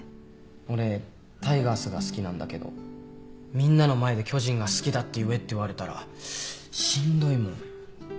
俺タイガースが好きなんだけどみんなの前で巨人が好きだって言えって言われたらしんどいもん。